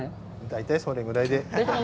大体それぐらいで。